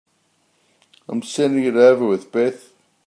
I'm sending it over with Beth.